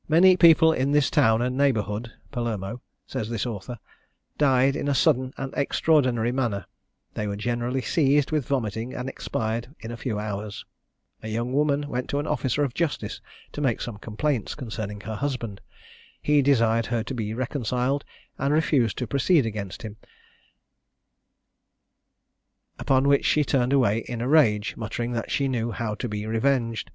"Many people in this town and neighbourhood," (Palermo,) says this author, "died in a sudden and extraordinary manner; they were generally seized with vomiting, and expired in a few hours. A young woman went to an officer of justice to make some complaints concerning her husband; he desired her to be reconciled, and refused to proceed against him, upon which she turned away in a rage, muttering that she knew how to be revenged.